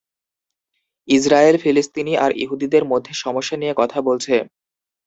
Israel ফিলিস্তিনি আর ইহুদিদের মধ্যে সমস্যা নিয়ে কথা বলছে।